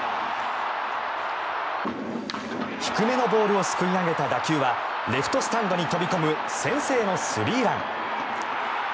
低めのボールをすくい上げた打球はレフトスタンドに飛び込む先制のスリーラン。